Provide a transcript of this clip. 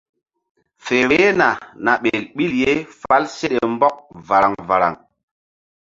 Fe vbehna na ɓel ɓil ye fál seɗe mbɔk varaŋ varaŋ.